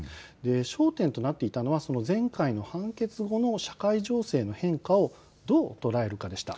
焦点となっていたのは前回の判決後の社会情勢の変化をどう捉えるかでした。